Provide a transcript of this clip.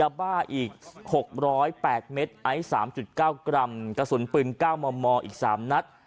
บ้าอีก๖๐๘เมตรไอซ์๓๙กรัมกระสุนปืน๙มมอีก๓นัด